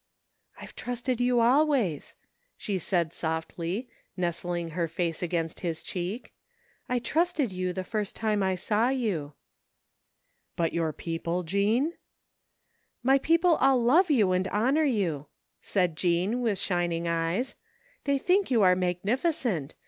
"I've trusted you always," she said softly, nestling her face against his cheek. '' I trusted you the first time I saw you." But your people, Jean? " My people all love you and honor you," said Jean, with ^ning eyes. " They think you are mag nificent